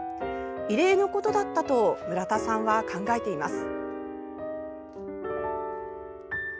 異例のことだったと邑田さんは考えています。